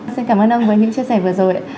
xin cảm ơn ông với những chia sẻ vừa rồi